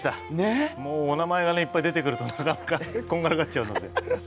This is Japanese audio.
もうお名前がたくさん出てくると、なかなか、こんがらがっちゃって。